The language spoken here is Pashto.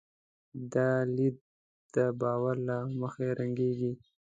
دا لید د باور له مخې رنګېږي.